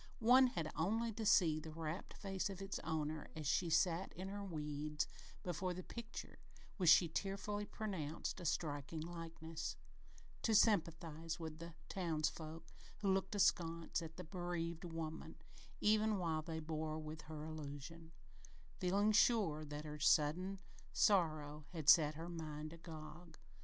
One had only to see the rapt face of its owner as she sat in her weeds before the picture, which she tearfully pronounced "a strikin' likeness," to sympathize with the townsfolk who looked askance at the bereaved woman, even while they bore with her delusion, feeling sure that her sudden sorrow had set her mind agog.